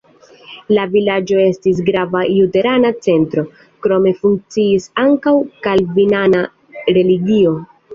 La vilaĝo estis grava luterana centro, krome funkciis ankaŭ kalvinana religio.